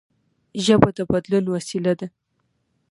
ژبه د بدلون وسیله ده.